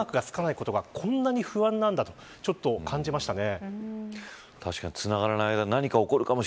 電波マークがつかないことがこんなに不安なんだと感じましたね。